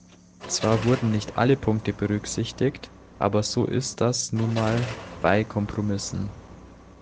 Zwar wurden nicht alle Punkte berücksichtigt, aber so ist das nun mal bei Kompromissen.